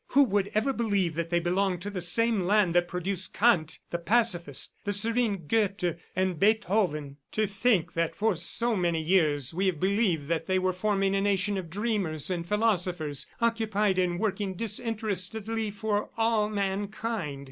... Who would ever believe that they belong to the same land that produced Kant, the pacifist, the serene Goethe and Beethoven! ... To think that for so many years, we have believed that they were forming a nation of dreamers and philosophers occupied in working disinterestedly for all mankind!